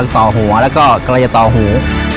ต่อหัวแล้วก็ละยะต่อหู